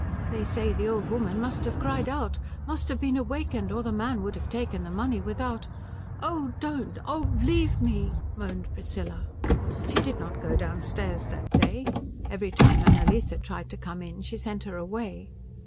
"They say the old woman must have cried out must have been awakened, or the man would have taken the money without " "Oh don't oh leave me " moaned Priscilla. She did not go downstairs that day. Every time Annalise tried to come in she sent her away.